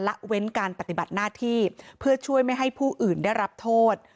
ละเว้นการปฏิบัติหน้าที่เพื่อช่วยไม่ให้ผู้อื่นได้รับโทษ